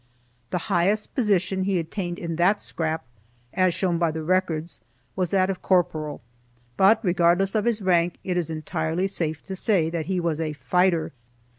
The highest position he attained in that scrap, as shown by the records, was that of corporal, but, regardless of his rank, it is entirely safe to say that he was a fighter.